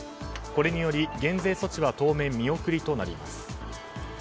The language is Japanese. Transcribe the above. これにより減税措置は当面見送りとなります。